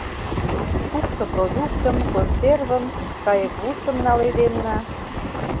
кукшо продуктым, консервым, кайык-вусым наледенна.